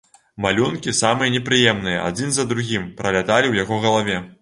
Малюнкі самыя непрыемныя адзін за другім праляталі ў яго галаве.